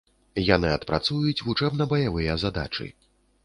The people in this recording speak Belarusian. Яны адпрацуюць вучэбна-баявыя задачы.